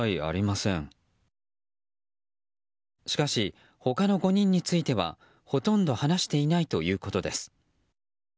しかし、他の５人についてはほとんど話していないということです。